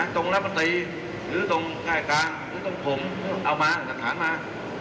ตรงรับประตรีหรือตรงไข่กลางหรือตรงผมเอามาจัดสารมา